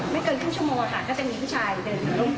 แล้วก็บอกพี่ช่วยพวกเราเลือกผมเลือกจะเอาหลายชุดลูกผมสองคน